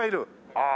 ああ。